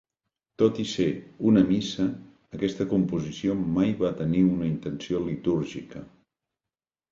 Tot i ser una missa, aquesta composició mai va tenir una intenció litúrgica.